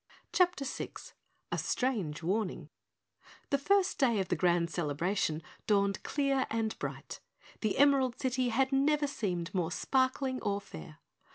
CHAPTER 6 A Strange Warning The first day of the grand celebration dawned clear and bright. The Emerald City had never seemed more sparkling or fair.